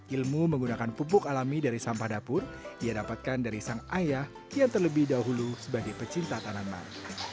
ilmu menggunakan pupuk alami dari sampah dapur ia dapatkan dari sang ayah yang terlebih dahulu sebagai pecinta tanaman